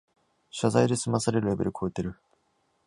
謝罪で済まされるレベルこえてる